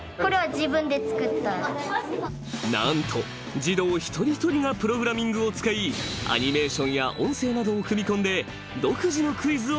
［何と児童一人一人がプログラミングを使いアニメーションや音声などを組み込んで］